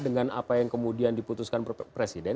dengan apa yang kemudian diputuskan presiden